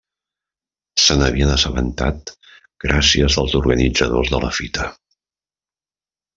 Se n'havien assabentat gràcies als organitzadors de la fita.